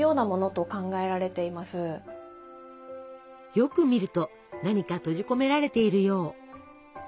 よく見ると何か閉じ込められているよう。